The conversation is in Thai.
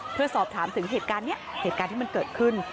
เพื่อสอบถามถึงเหตุการณ์นี้เหตุการณ์ที่มันเกิดขึ้น